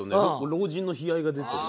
老人の悲哀が出てる。